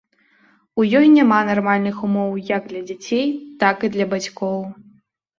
У ёй няма нармальных умоў як для дзяцей, так і для бацькоў.